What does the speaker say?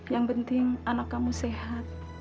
yang penting anak kamu sehat